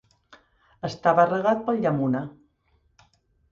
Estava regat pel Yamuna.